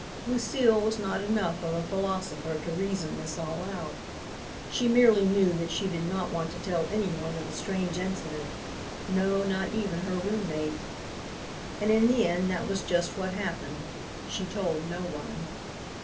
Lucile was not enough of a philosopher to reason this all out. She merely knew that she did not want to tell anyone of the strange incident, no not even her roommate. And in the end that was just what happened. She told no one.